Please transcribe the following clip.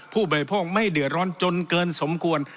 บริโภคไม่เดือดร้อนจนเกินสมควร